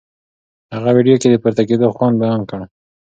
هغې ویډیو کې د پورته کېدو خوند بیان کړ.